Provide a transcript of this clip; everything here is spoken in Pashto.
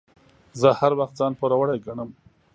زه هر وخت ځان پوروړی ګڼم.